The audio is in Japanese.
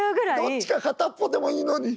どっちか片っぽでもいいのに。